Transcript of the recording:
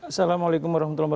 assalamualaikum wr wb